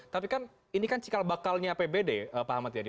tapi kan ini kan cikal bakalnya apbd pak ahmad yadi